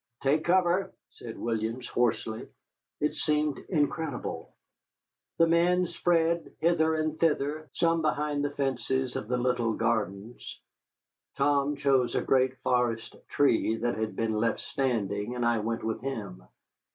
"Take cover," said Williams, hoarsely. It seemed incredible. The men spread hither and thither, some at the corners of the church, some behind the fences of the little gardens. Tom chose a great forest tree that had been left standing, and I went with him.